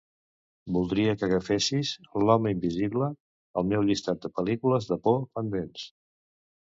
Voldria que afegissis "L'home invisible" al meu llistat de pel·lícules de por pendents.